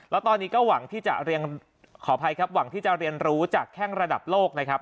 แล้วตอนนี้ก็หวังที่จะขออภัยครับหวังที่จะเรียนรู้จากแข้งระดับโลกนะครับ